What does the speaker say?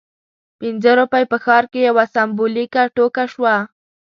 پنځه روپۍ په ښار کې یوه سمبولیکه ټوکه شوه.